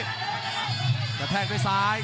กระแทกด้วยซ้าย